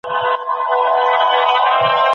په سیاست کي فزیکي ځواک وکارول سو.